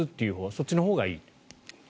そっちのほうがいいと。